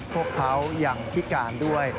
พวกเขายังพิการด้วย